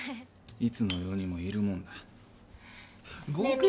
いつの世にもいるもんだ。ねえ。